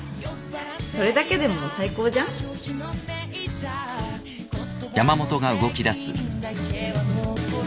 それだけでもう最高じゃんえっ？